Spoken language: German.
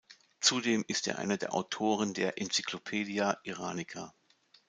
Zudem ist er einer der Autoren der "Encyclopædia Iranica".